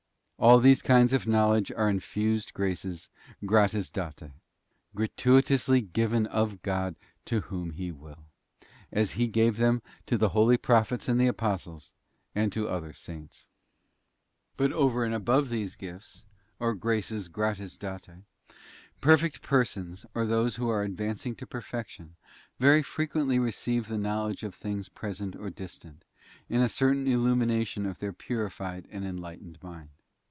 'f All these kinds of knowledge are infused graces gratis date, gra tuitously given of God to whom He will, as He gave them to the holy Prophets and the Apostles, and to other Saints. But over and above these gifts, or graces gratis date, perfect persons, or those who are advancing to Perfection, * Wisd. vii. 17 21. + 1 Cor. xii. 8 10, ee ee ee DISCERNMENT OF SPIRITS. 181 very frequently receive the knowledge of things present or distant, in a certain illumination of their purified and en lightened mind.